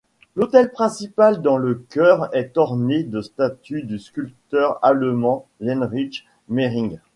L'autel principal dans le chœur est orné de statues du sculpteur allemand Heinrich Meyring.